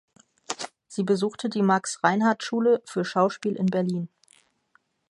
Sie besuchte die Max-Reinhardt-Schule für Schauspiel in Berlin.